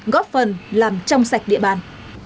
góp phần làm trong sạch địa bàn